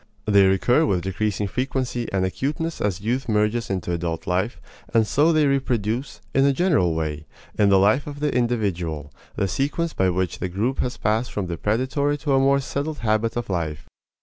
They recur with decreasing frequency and acuteness as youth merges into adult life, and so they reproduce, in a general way, in the life of the individual, the sequence by which the group has passed from the predatory to a more settled habit of life.